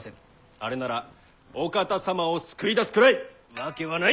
あれならお方様を救い出すくらいわけはない！